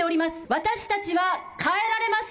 私たちは変えられます。